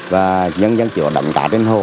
và nhân dân chỉ có đậm tả trên hồ